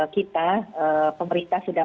kita pemerintah sudah